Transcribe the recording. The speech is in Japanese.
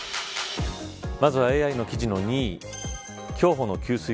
まずはＡＩの記事の２位。